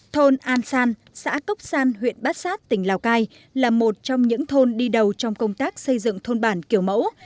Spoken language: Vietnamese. thôn an san xã cốc san huyện bát sát tỉnh lào cai là một trong những thôn đi đầu trong công tác xây dựng thôn bản kiểu mẫu